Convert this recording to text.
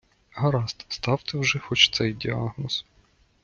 Гаразд, ставте вже хоч цей діагноз.